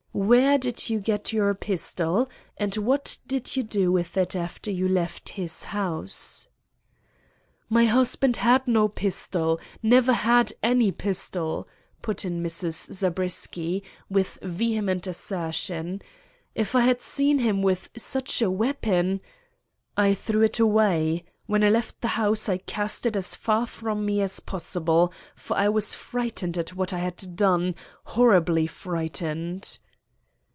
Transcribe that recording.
"Where did you get your pistol, and what did you do with it after you left his house?" "My husband had no pistol; never had any pistol," put in Mrs. Zabriskie, with vehement assertion. "If I had seen him with such a weapon——" "I threw it away. When I left the house, I cast it as far from me as possible, for I was frightened at what I had done, horribly frightened."